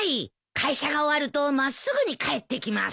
会社が終わると真っすぐに帰ってきます。